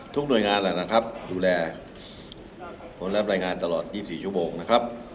หน่วยงานแหละนะครับดูแลผลรับรายงานตลอด๒๔ชั่วโมงนะครับ